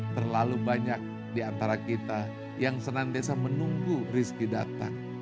terlalu banyak diantara kita yang senantiasa menunggu rizki datang